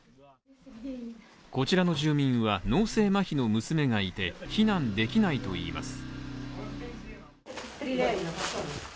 こちらの住民は、脳性まひの娘がいて、避難できないといいます。